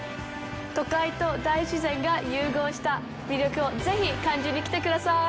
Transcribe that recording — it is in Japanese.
都会と大自然が融合した魅力をぜひ感じに来てください！